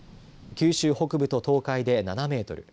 九州北部と東海で７メートル